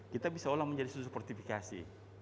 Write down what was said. kita bisa olah menjadi susu sportifikasi